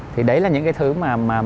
thì đấy là những cái thứ mà